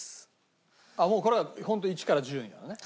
あっもうこれはホントに１位から１０位なのね。